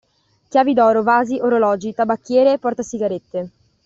Chiavi d'oro, vasi, orologi, tabacchiere, portasigarette.